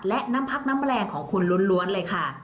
และน้ำพักน้ำแรงของคุณล้วนเลยค่ะ